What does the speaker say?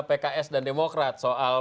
pks dan demokrat soal